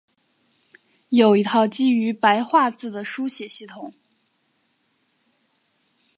有一套基于白话字的书写系统。